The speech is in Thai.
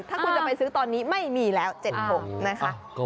ถ้าคุณจะไปซื้อตอนนี้ไม่มีแล้ว๗๖นะคะ